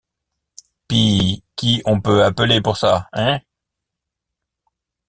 Pis qui on peut appeler pour ça, hein ?